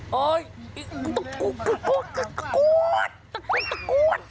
เฮ้ยตะโก๊ดตะโก๊ดตะโก๊ด